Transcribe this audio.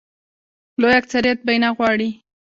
لوی اکثریت به یې نه غواړي.